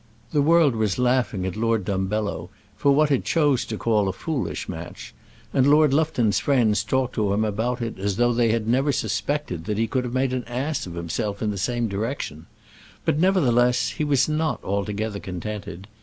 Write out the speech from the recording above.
The world was laughing at Lord Dumbello for what it chose to call a foolish match, and Lord Lufton's friends talked to him about it as though they had never suspected that he could have made an ass of himself in the same direction; but, nevertheless, he was not altogether contented.